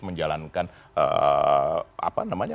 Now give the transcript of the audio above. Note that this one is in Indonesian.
menjalankan apa namanya